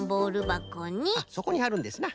あっそこにはるんですな。